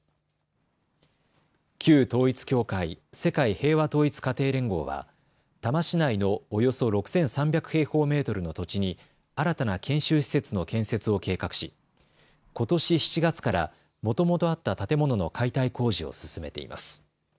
旧統一教会、世界平和統一家庭連合は多摩市内のおよそ６３００平方メートルの土地に新たな研修施設の建設を計画しことし７月からもともとあった建物の解体工事を進めています。